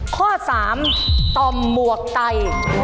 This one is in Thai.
ข้อสามต่อหมวกไต